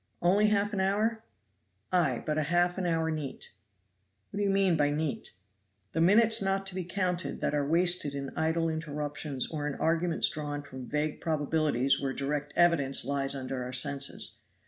"Only half an hour?" "Ay, but half an hour neat." "What do you mean by neat?" "The minutes not to be counted that are wasted in idle interruptions or in arguments drawn from vague probabilities where direct evidence lies under our senses.